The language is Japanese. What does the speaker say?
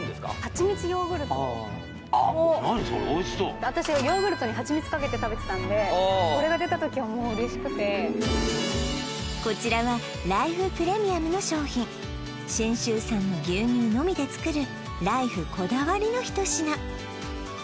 何それおいしそう私ヨーグルトにはちみつかけて食べてたんでこれが出た時はもう嬉しくてこちらはライフプレミアムの商品信州産の牛乳のみで作るライフこだわりの一品